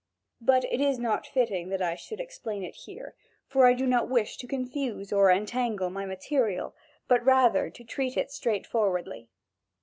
But it is not fitting that I should explain it here, for I do not wish to confuse or entangle my material, but rather to treat it straight forwardly.